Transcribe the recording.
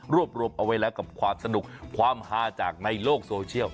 รวมเอาไว้แล้วกับความสนุกความฮาจากในโลกโซเชียล